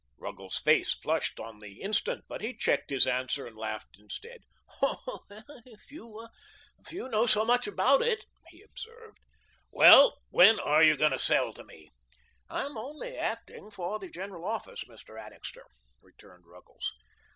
Ruggles's face flushed on the instant, but he checked his answer and laughed instead. "Oh, if you know so much about it " he observed. "Well, when are you going to sell to me?" "I'm only acting for the General Office, Mr. Annixter," returned Ruggles.